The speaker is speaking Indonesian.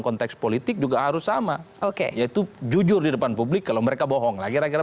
konteks politik juga harus sama oke yaitu jujur di depan publik kalau mereka bohong lah kira kira